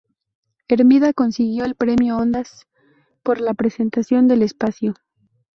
Hermida consiguió el Premio Ondas por la presentación del espacio.